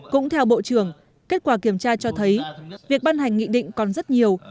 cũng theo bộ trưởng kết quả kiểm tra cho thấy việc ban hành nghị định còn rất nhiều